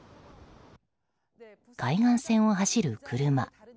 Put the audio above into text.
海岸線を走る車。